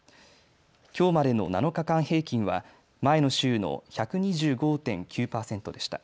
きょうまでの７日間平均は前の週の１２５．９％でした。